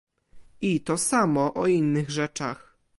"I to samo o innych rzeczach."